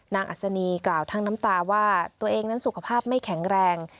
อัศนีกล่าวทั้งน้ำตาว่าตัวเองนั้นสุขภาพไม่แข็งแรง